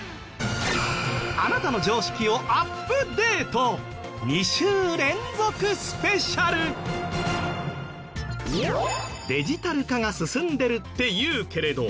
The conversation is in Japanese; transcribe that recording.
あなたの常識をアップデートデジタル化が進んでるっていうけれど。